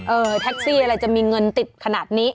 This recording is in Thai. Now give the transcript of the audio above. แท็กซี่อะไรจะมีเงินติดขนาดนี้